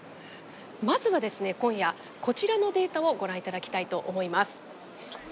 まずはですね今夜こちらのデータをご覧頂きたいと思います。